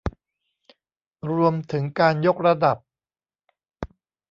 รวมถึงการยกระดับ